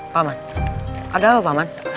paman ada apa paman